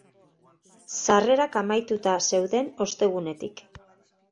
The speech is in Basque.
Sarrerak amaituta zeuden ostegunetik.